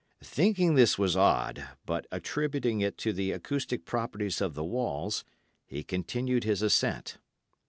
Thinking this was odd, but attributing it to the acoustic properties of the walls, he continued his ascent.